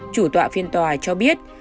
chủ tọa phiên tòa cho biết